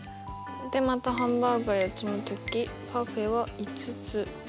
またハンバーグが４つの時パフェは５つ。